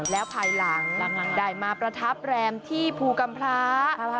แล้วภายหลังได้มาประทับแรมที่ภูกรรมพระ